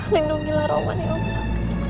lindungilah roman ya allah